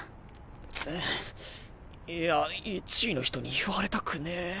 あっいや１位の人に言われたくねぇ。